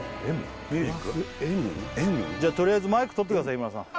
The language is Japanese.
じゃあとりあえずマイク取ってください日村さん